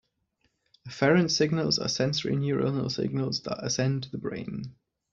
Afferent signals are sensory neuronal signals that ascend to the brain.